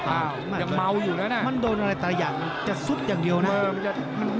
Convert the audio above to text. อ้าวยังเมาอยู่นะน่ะมันโดนอะไรแต่อย่างจะซุดอย่างเดียวน่ะ